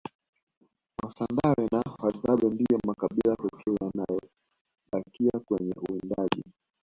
wasandawe na wahadzabe ndiyo makabila pekee yaliyobakia kwenye uwindaji